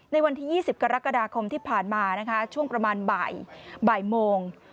ในวันที่๒๐กรกฎาคมที่ผ่านมานะคะช่วงประมาณบ่ายโมง